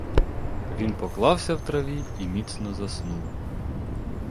Він поклався в траві і міцно заснув.